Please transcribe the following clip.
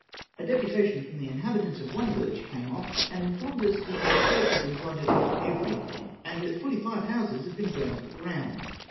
A de putation from the inhabitants of one village came off, and informed us that theu^ church had been plundered of everything, and that forty five houses had been burned to the ground.